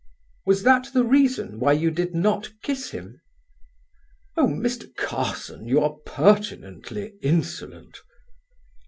"Was that the reason why you did not kiss him?" "Oh, Mr. Carson, you are pertinently insolent."